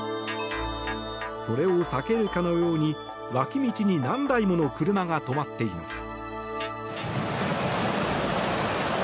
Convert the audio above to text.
それを避けるかのように脇道に何台もの車が止まっています。